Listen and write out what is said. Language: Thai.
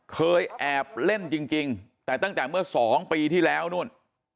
เคยแอบเล่นจริงแต่ตั้งแต่เมื่อ๒ปีที่แล้วนู่น